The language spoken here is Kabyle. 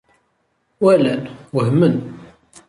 Walan, wehmen.